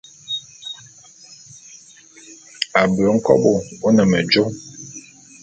Abui nkôbo o ne medjo.